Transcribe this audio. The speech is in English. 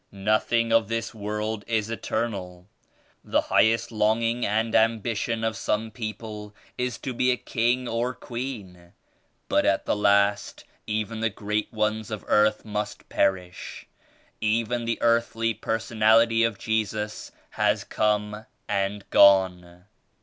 Nothing of this world is eternal. The highest longing and ambition of some people is 16 to be a king or queen; but at the last even the great ones of earth must perish. Even the earthly personality of Jesus has come and gone.